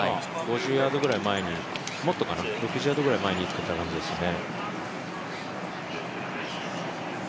５０ヤードくらい前に、もっとかな、６０ヤードくらい前に打ってた感じですね。